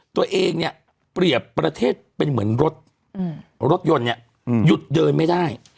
ตัวเองเนี่ยเปรียบประเทศเป็นเหมือนรถรถยนต์เนี่ยหยุดเดินไม่ได้